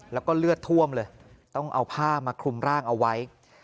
แล้วก็เลือดท่วมเลยต้องเอาผ้ามาคลุมร่างเอาไว้